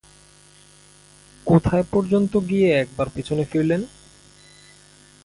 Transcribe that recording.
কোথায় পর্যন্ত গিয়ে একবার পিছনে ফিরলেন?